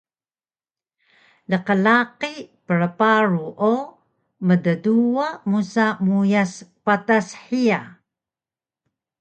Lqlaqi prparu o mtduwa musa muyas patas hiya